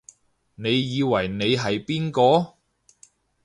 你以為你係邊個？